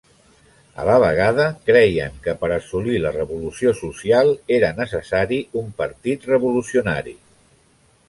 A la vegada, creien que per assolir la revolució social era necessari un partit revolucionari.